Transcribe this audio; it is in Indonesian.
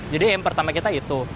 jadi aim pertama kita itu